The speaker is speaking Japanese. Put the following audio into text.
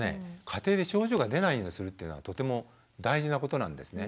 家庭で症状が出ないようにするっていうのはとても大事なことなんですね。